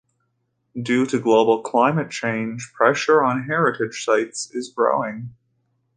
Due to global climate change, pressure on heritage sites is growing.